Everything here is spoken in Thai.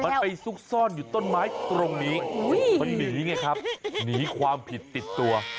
มันไปซุกซ่อนอยู่ต้นไม้ตรงนี้มันหนีไงครับหนีความผิดติดตัว